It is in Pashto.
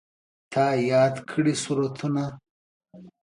تا یاد کړي سورتونه